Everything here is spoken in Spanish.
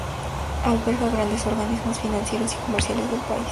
Alberga grandes organismos financieros y comerciales del país.